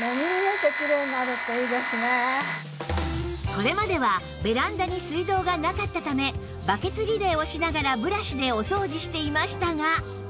これまではベランダに水道がなかったためバケツリレーをしながらブラシでお掃除していましたが